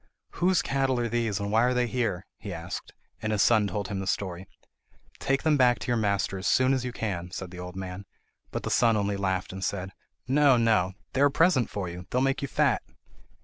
"Whose cattle are these, and why are they here?" he asked; and his son told him the story. "Take them back to your master as soon as you can," said the old man; but the son only laughed, and said: "No, no; they are a present to you! They will make you fat!"